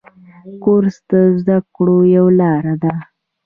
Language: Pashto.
کورس د زده کړو یوه لاره ده.